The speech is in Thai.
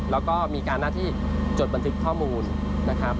แล้วก็มีการหน้าที่จดบันทึกข้อมูลนะครับ